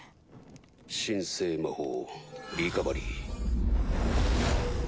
神聖魔法リカバリー。